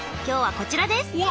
今日はこちらです！